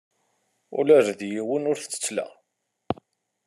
Ula d yiwen ur t-ttettleɣ.